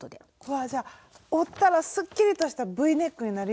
わあじゃあ折ったらすっきりとしたＶネックになるように？